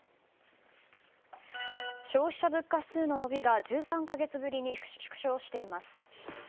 消費者物価指数の伸びが１３か月ぶりに縮小しています。